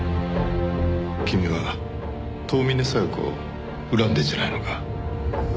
君は遠峰小夜子を恨んでるんじゃないのか？